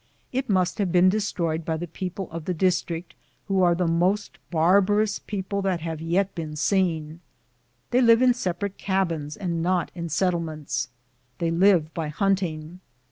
It must have been destroyed by the people of the district, who are the most barbarous people that have yet been seen. They live in sepa rate cabins and not in settlements. They live by hunting.